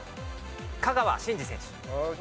香川真司選手。